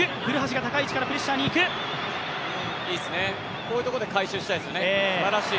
こういうところで回収したいですよね、すばらしい。